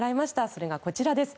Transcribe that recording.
それがこちらです。